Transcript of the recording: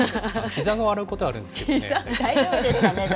ひざが笑うことはあるんですけどね。